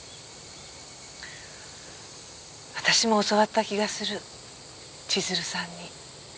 私も教わった気がする千鶴さんに。